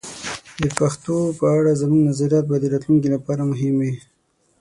د پښتو په اړه زموږ نظریات به د راتلونکي لپاره مهم وي.